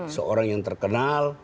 seorang yang terkenal